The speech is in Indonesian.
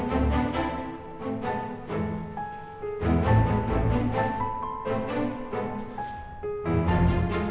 siapa britain coba saja nanti dia ikut deh